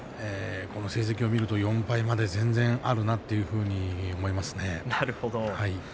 この成績を見ると４敗まで全然あるなと思いますね。